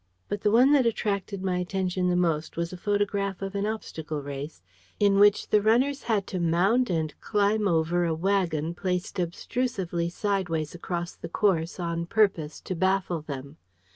But the one that attracted my attention the most was a photograph of an obstacle race, in which the runners had to mount and climb over a wagon placed obtrusively sideways across the course on purpose to baffle them.